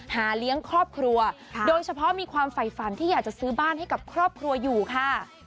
เลี้ยงครอบครัวโดยเฉพาะมีความไฝฝันที่อยากจะซื้อบ้านให้กับครอบครัวอยู่ค่ะ